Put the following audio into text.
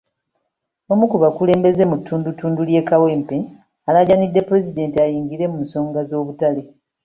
Omu ku bakulembeze mu ttundutundu ly'e Kawempe alaajanidde Pulezidenti ayingire mu nsonga z'obutale.